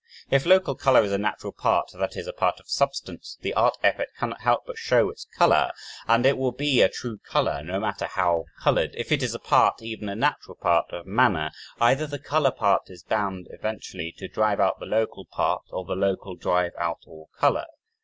If local color is a natural part, that is, a part of substance, the art effort cannot help but show its color and it will be a true color, no matter how colored; if it is a part, even a natural part of "manner," either the color part is bound eventually to drive out the local part or the local drive out all color.